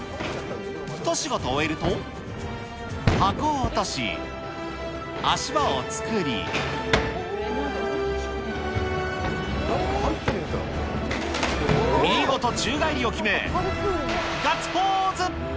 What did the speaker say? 一仕事終えると、箱を落とし、足場を作り、見事、宙返りを決め、ガッツポーズ。